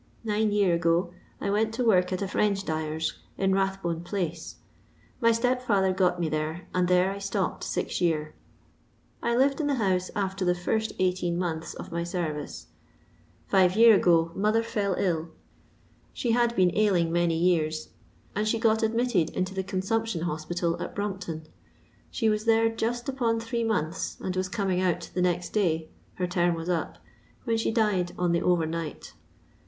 Nine year ago I went to work at a French dyer's, in Bathbone pUice. My step fiither got me thero, and there I stopped six year. I lived in the house after the first eighteen months of my Five year ago mother foil ill ; she had been ailing many years, and she got admitted into the Consumption Hospital, at Brompton. She was there just upon three months and was coming out the next day (her term was up), when she died on the over night.